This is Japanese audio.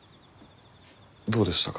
どうでしたか？